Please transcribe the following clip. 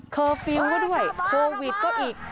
เคอร์ฟิลก็ด้วยโควิดก็อีก